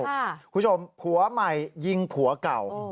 คุณผู้ชมผัวใหม่ยิงผัวเก่า